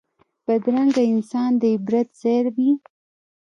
بدرنګه انسان د عبرت ځای وي